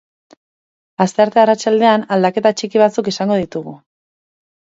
Astearte arratsaldean aldaketa txiki batzuk izango ditugu.